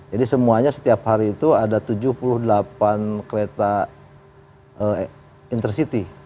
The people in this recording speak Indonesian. jadi semuanya setiap hari itu ada tujuh puluh delapan kereta intercity